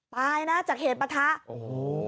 ตายจากเหตุปรฤทธิ์